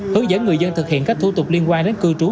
hướng dẫn người dân thực hiện các thủ tục liên quan đến cư trú